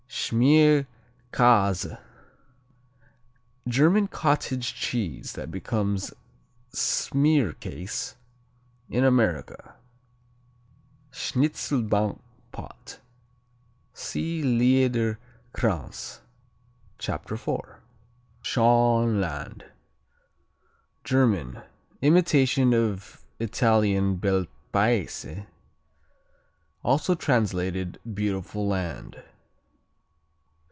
Schmierkäse German cottage cheese that becomes smearcase in America. Schnitzelbank Pot see Liederkranz, Chapter 4. Schönland German Imitation of Italian Bel Paese, also translated "beautiful land."